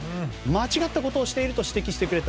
間違っていることをしていると指摘してくれた。